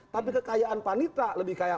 tapi kekayaan panitra lebih kaya